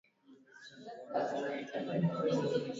Chakula kingi kwenye tumbo la kucheua sehemu ya chini ya tumbo